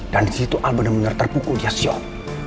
dan disitu al bener bener terpukul dia siok